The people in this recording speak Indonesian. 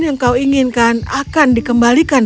yang kau inginkan akan dikembalikan